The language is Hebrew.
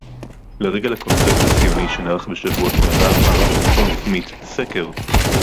"לרגל הקונגרס הציוני שנערך בשבוע שעבר ערך "מכון סמית" סקר"